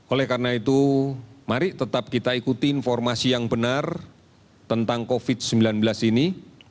oleh karena itu mari tetap kita ikuti informasi yang benar tentang covid sembilan belas ini